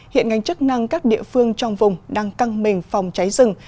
hiện ngành chức năng các địa phương trong vùng đang căng mình phòng cháy rừng